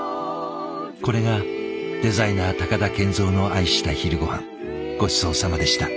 これがデザイナー高田賢三の愛した昼ごはんごちそうさまでした。